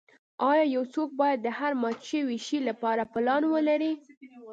ایا یو څوک باید د هر مات شوي شی لپاره پلان ولري